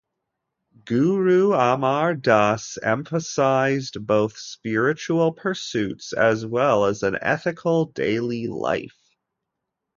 Guru Amar Das emphasised both spiritual pursuits as well an ethical daily life.